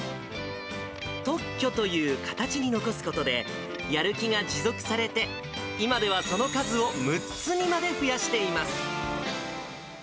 特許という形に残すことで、やる気が持続されて、今ではその数を６つにまで増やしています。